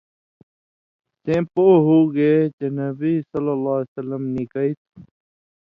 سېں پوہُوگے چےۡ نبیؐ نِکئ تُھو۔